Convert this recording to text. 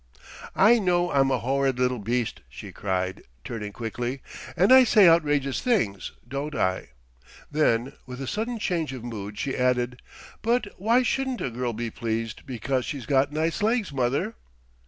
"I know I'm a horrid little beast," she cried, turning quickly, "and I say outrageous things, don't I?" Then with a sudden change of mood she added: "But why shouldn't a girl be pleased because she's got nice legs, mother?"